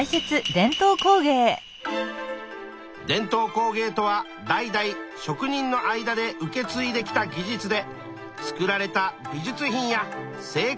伝統工芸とは代々職人の間で受けついできた技術で作られた美術品や生活道具のこと。